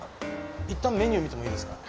一旦メニュー見てもいいですか？